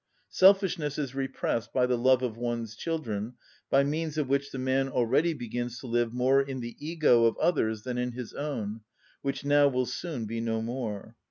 Selfishness is repressed by the love of one's children, by means of which the man already begins to live more in the ego of others than in his own, which now will soon be no more.